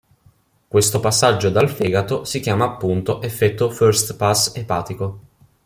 Questo passaggio dal fegato si chiama appunto "effetto first-pass epatico".